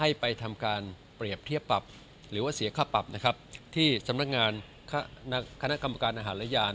ให้ไปทำการเปรียบเทียบปรับหรือว่าเสียค่าปรับนะครับที่สำนักงานคณะกรรมการอาหารและยาน